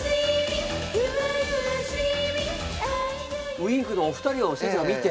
Ｗｉｎｋのお二人を先生が見て。